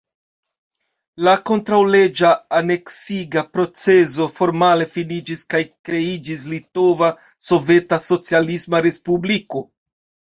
La kontraŭleĝa aneksiga procezo formale finiĝis kaj kreiĝis Litova Soveta Socialisma Respubliko.